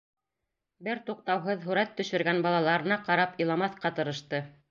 Бер туҡтауһыҙ һүрәт төшөргән балаларына ҡарап иламаҫҡа тырышты.